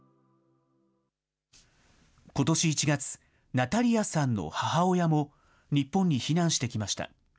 ことし１月、ナタリアさんの母親も日本に避難してきました。